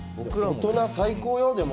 大人最高よ、でも。